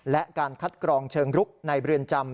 และการคัดกรองเชิงรุกในเรือนจำ